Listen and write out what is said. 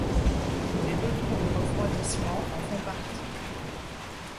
Les deux tours de refroidissement en font partie.